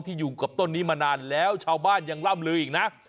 อยู่กับต้นนี้มานานแล้วชาวบ้านยังล่ำลืออีกนะ